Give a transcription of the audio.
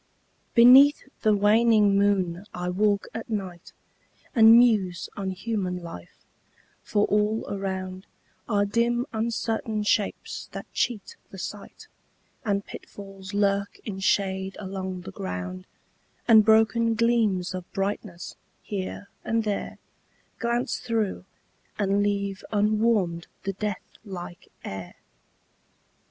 Beneath the waning moon I walk at night, And muse on human life for all around Are dim uncertain shapes that cheat the sight, And pitfalls lurk in shade along the ground, And broken gleams of brightness, here and there, Glance through, and leave unwarmed the death like air.